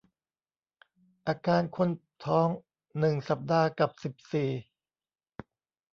อาการคนท้อง หนึ่ง สัปดาห์ กับ สิบสี่